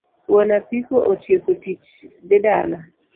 Wuon apiko otieko tich dhi dala.